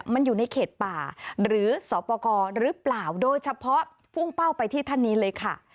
มันอยู่ในเขตป่าหรือสอปกรหรือเปล่าโดยเฉพาะพุ่งเป้าไปที่ท่านนี้เลยค่ะ